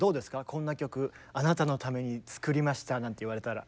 こんな曲あなたのために作りましたなんて言われたら。